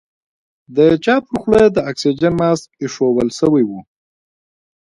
د چا پر خوله د اکسيجن ماسک ايښوول سوى و.